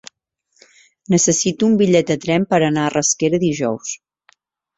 Necessito un bitllet de tren per anar a Rasquera dijous.